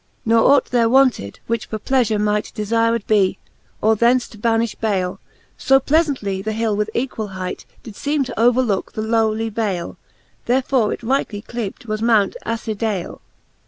Ne ought there wanted, which for pleafure might Defired be, or thence to banifii bale: So pleafauntly the hill with equall hight Did feeme to overlooke the lowly vale ; Therefore it rightly cleeped was mount Acidale, Vol.